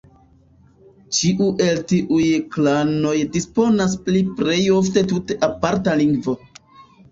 Ĉiu el tiuj klanoj disponas pri plej ofte tute aparta lingvo.